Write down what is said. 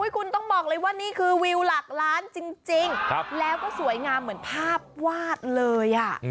คุณต้องบอกเลยว่านี่คือวิวหลักล้านจริงแล้วก็สวยงามเหมือนภาพวาดเลย